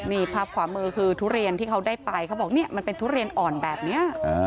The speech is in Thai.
นี่ภาพขวามือคือทุเรียนที่เขาได้ไปเขาบอกเนี่ยมันเป็นทุเรียนอ่อนแบบนี้